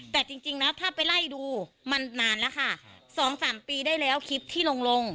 แต่จริงแล้วถ้าไปไล่ดูมันนานแล้วค่ะสองสามปีได้แล้วคลิปที่ลงลง